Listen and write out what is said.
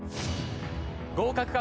合格か？